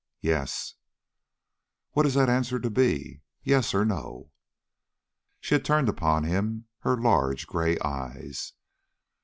"Yes." "What is that answer to be, Yes or No?" She turned upon him her large gray eyes.